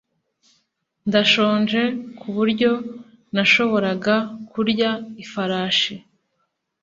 ndashonje kuburyo nashoboraga kurya ifarashi